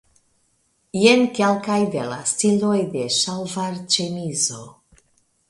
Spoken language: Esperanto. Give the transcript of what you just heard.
Jen kelkaj de la stiloj de ŝalvarĉemizo.